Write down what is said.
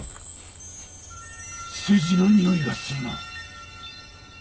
数字のにおいがするな。